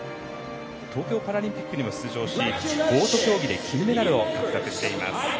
東京パラリンピックにも出場しボート競技で金メダルを獲得しています。